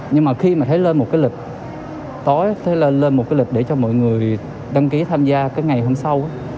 nhưng mà khi mà thấy lên một cái lịch tối thế lên một cái lịch để cho mọi người đăng ký tham gia cái ngày hôm sau